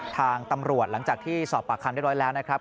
ทางตำรวจหลังจากที่สอบปากคำเรียบร้อยแล้วนะครับ